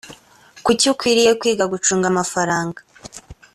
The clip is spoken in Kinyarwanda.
kuki ukwiriye kwiga gucunga amafaranga